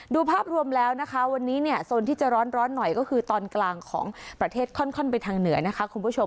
ดูภาพรวมแล้วนะคะวันนี้เนี่ยโซนที่จะร้อนหน่อยก็คือตอนกลางของประเทศค่อนไปทางเหนือนะคะคุณผู้ชม